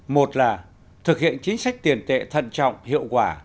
một là thực hiện chính sách tiền tệ thận trọng hiệu quả